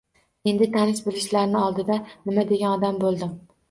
Endi tanish-bilishlarni oldida nima degan odam bo`ldim